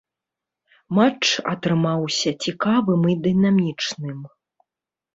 Матч атрымаўся цікавым і дынамічным.